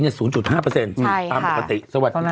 ใช่ค่ะสวัสดีคุณหนุ่มฮะสวัสดีค่ะพี่หนุ่มโอเคสวัสดีครับสวัสดีครับ